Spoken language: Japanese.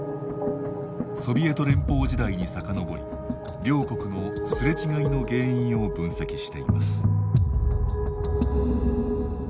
ソビエト連邦時代にさかのぼり両国のすれ違いの原因を分析しています。